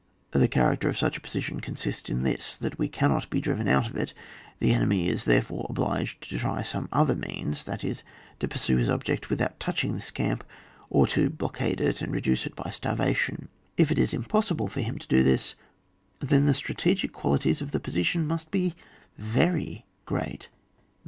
The character of such a position con sists in this, that we cannot be driven out of it ; the enemy is therefore obliged to try some other means, that is, to pur sue his object without touching this camp, or to blockade it and reduce it by starvation ; if it is impossible for him to do this, then the strategic qualities of the position must be very great.